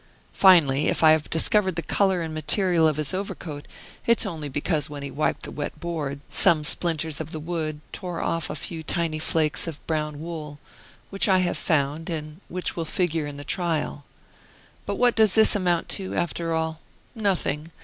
Finally, if I have discovered the color and the material of his overcoat, it is only because when he wiped the wet board, some splinters of the wood tore off a few tiny flakes of brown wool, which I have found, and which will figure in the trial. But what does this amount to, after all? Nothing.